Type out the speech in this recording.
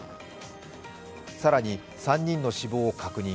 更に３人の死亡を確認。